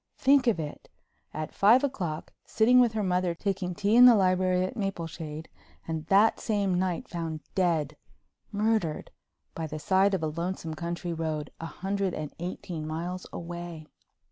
Think of it—at five o'clock sitting with her mother taking tea in the library at Mapleshade and that same night found dead—murdered—by the side of a lonesome country road, a hundred and eighteen miles away.